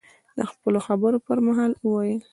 د خپلو خبرو په مهال، وویل: